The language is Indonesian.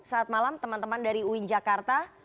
saat malam teman teman dari uin jakarta